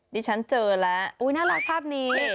ดิฉันเจอแล้วอุ๊ยน่ารักภาพนี้